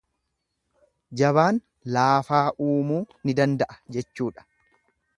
Jabaan laafaa uumuu ni danda'a jechuudha.